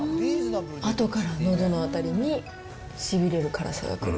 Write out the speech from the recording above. あとからのどの辺りにしびれる辛さが来る。